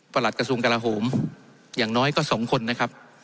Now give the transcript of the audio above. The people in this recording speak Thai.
หลัดกระทรวงกลาโหมอย่างน้อยก็สองคนนะครับ